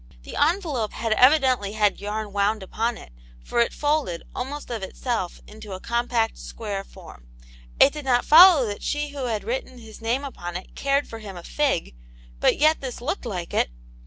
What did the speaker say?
The envelope had evidently had yarn wound upon it, for it folded, almost of itself, into a compact, square form ; it did not follow that she* who had written his name upon it cared for him a fig ; but yet this looked like it.